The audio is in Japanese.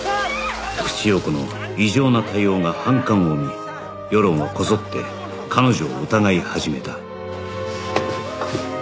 福地陽子の異常な対応が反感を生み世論はこぞって彼女を疑い始めた